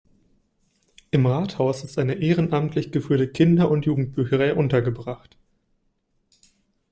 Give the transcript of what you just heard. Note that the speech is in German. Im Rathaus ist eine ehrenamtlich geführte Kinder- und Jugendbücherei untergebracht.